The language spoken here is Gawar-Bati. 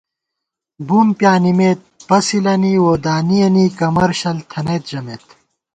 بُم پیانِمېت پَسِلَنی وودانِیَنی کمرشل تھنَئیت ژَمېت